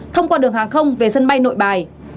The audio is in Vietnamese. thông qua đường hàng không về sân bay nội bài